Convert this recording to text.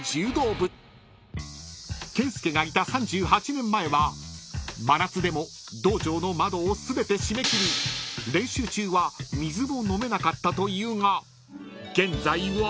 ［健介がいた３８年前は真夏でも道場の窓を全て閉め切り練習中は水も飲めなかったというが］